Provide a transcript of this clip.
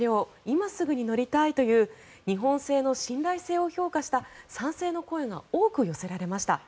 今すぐに乗りたいという日本製の信頼性を評価した賛成の声が多く寄せられました。